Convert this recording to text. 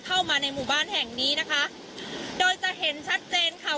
เข้ามาในหมู่บ้านแห่งนี้นะคะโดยจะเห็นชัดเจนค่ะ